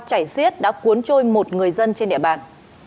chảy xiết đã cuốn trôi một người dân trên địa bàn